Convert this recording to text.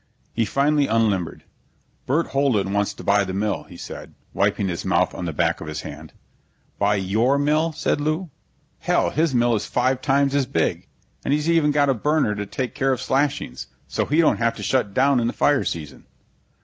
He finally unlimbered. "Burt Holden wants to buy the mill," he said, wiping his mouth on the back of his hand. "Buy your mill?" said Lew. "Hell, his mill is five times as big, and he's even got a burner to take care of slashings, so he don't have to shut down in the fire season."